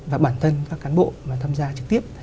và bản thân các cán bộ mà tham gia trực tiếp